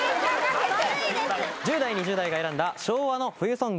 １０代２０代が選んだ昭和の冬ソング。